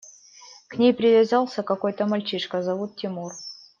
К ней привязался какой-то мальчишка, зовут Тимур.